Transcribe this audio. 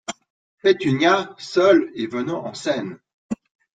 Pétunia , seule et venant en scène.